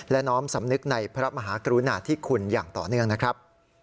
และน้อมสำนึกในพระมหากรุณาธิคุณอย่างต่อเนื่องนะครับ